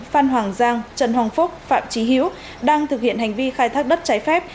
phan hoàng giang trần hồng phúc phạm trí hiếu đang thực hiện hành vi khai thác đất trái phép